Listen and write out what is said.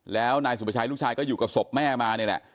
แล้วนายสุประชัยลูกชายก็อยู่กับศพแม่มานี่แหละ